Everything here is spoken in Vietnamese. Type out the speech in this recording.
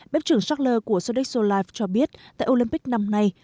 bếp trưởng schackler của sodexo life cho biết tại olympic năm nay